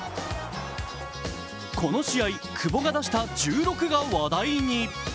この試合、久保が出した１６が話題に。